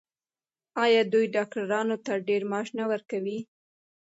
آیا دوی ډاکټرانو ته ډیر معاش نه ورکوي؟